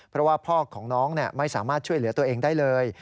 เพราะว่าพ่อของน้องไม่สามารถช่วยเหลือตัวเองได้เลย